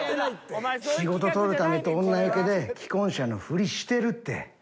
仕事取るためと女よけで既婚者のふりしてるって。